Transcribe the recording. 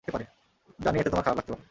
জানি এতে তোমার খারাপ লাগতে পারে।